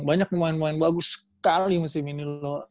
banyak pemain pemain bagus sekali musim ini